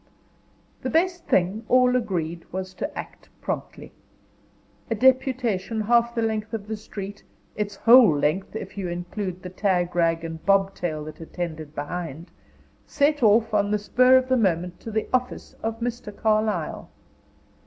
The best thing, all agreed, was to act promptly. A deputation, half the length of the street its whole length, if you include the tagrag and bobtail that attended behind set off on the spur of the moment to the office of Mr. Carlyle.